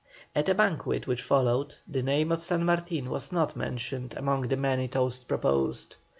At a banquet which followed, the name of San Martin was not mentioned among the many toasts proposed.